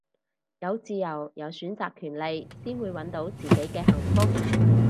有自由有選擇權利先會搵到自己嘅幸福